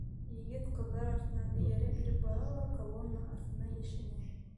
Егет ҡыҙҙар артынан эйәрә биреп бара ла колонна артына йәшенә.